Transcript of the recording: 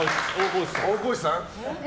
大河内さん。